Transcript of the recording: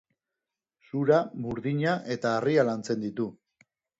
Zura, burdina eta harria lantzen ditu.